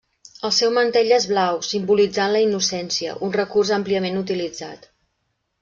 El seu mantell és blau, simbolitzant la innocència, un recurs àmpliament utilitzat.